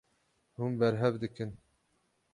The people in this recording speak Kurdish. Hûn berhev dikin.